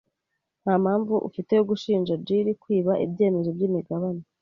Nta mpamvu ufite yo gushinja Jill kwiba ibyemezo byimigabane.